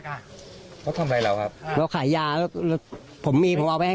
เขาทำอะไรเราครับเราขายยาแล้วผมมีผมเอาไปให้